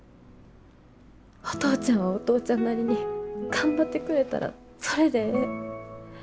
お父ちゃんはお父ちゃんなりに頑張ってくれたらそれでええ。